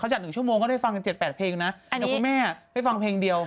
จัด๑ชั่วโมงก็ได้ฟังถึง๗๘เพลงนะเดี๋ยวคุณแม่ได้ฟังเพลงเดียว